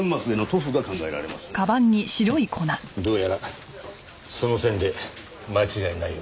フッどうやらその線で間違いないようだ。